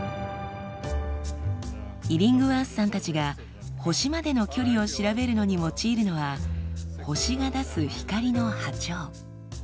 イリングワースさんたちが星までの距離を調べるのに用いるのは星が出す光の波長。